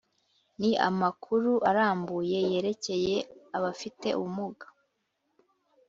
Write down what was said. Ni amakuru arambuye yerekeye abafite ubumuga